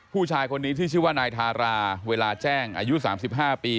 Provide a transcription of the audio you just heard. ผู้ชายคนนี้ที่ชื่อว่านายทาราเวลาแจ้งอายุ๓๕ปี